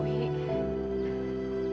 ibu juga tahu